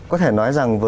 có thể nói rằng